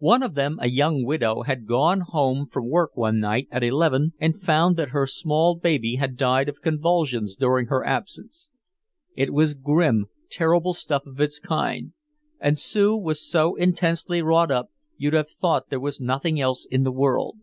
One of them, a young widow, had gone home from work one night at eleven and found that her small baby had died of convulsions during her absence. It was grim, terrible stuff of its kind, and Sue was so intensely wrought up you'd have thought there was nothing else in the world.